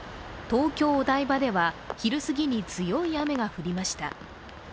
東京・お台場では昼すぎに強い雨が降りました。